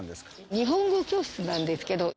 日本語教室なんですけど。